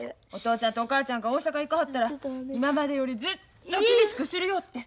ちゃんとお母ちゃんが大阪へ行かはったら今までよりずっと厳しくするよって。